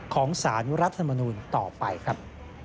ของสารรัฐมนูลต่อไปครับ